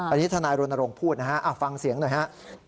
อันนี้ทนายรณรงค์พูดนะฮะฟังเสียงหน่อยฮะ